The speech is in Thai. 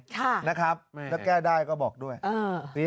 ค่ะนะครับถ้าแก้ได้ก็บอกด้วยเออ